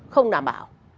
không đảm bảo